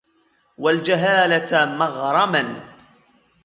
وَالْجَهَالَةَ مَغْرَمًا